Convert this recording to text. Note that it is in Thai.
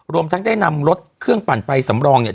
รวมทั้งได้นำรถเครื่องปั่นไฟสำรองเนี่ย